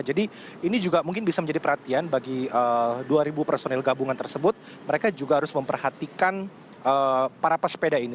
jadi ini juga mungkin bisa menjadi perhatian bagi dua personil gabungan tersebut mereka juga harus memperhatikan para pesepeda ini